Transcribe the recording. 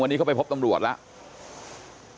วันนี้เขาไปพบตำรวจแล้ว